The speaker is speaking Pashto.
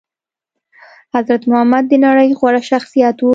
حضرت محمد د نړي غوره شخصيت وو